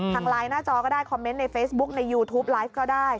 ทางไลน์หน้าจอก็ได้คอมเมนต์ในเฟซบุ๊กในยูทูปไลฟ์ก็ได้